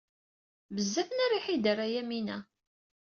Bezzaf n rriḥa i d-terra Yamina.